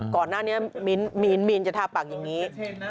ก่อนหน้านี้มีนจะทาปากอย่างนี้